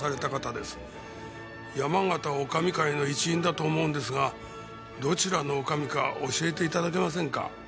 やまがた女将会の一員だと思うんですがどちらの女将か教えて頂けませんか？